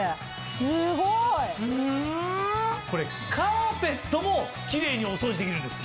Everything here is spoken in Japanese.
すごい！これカーペットもキレイにお掃除できるんです。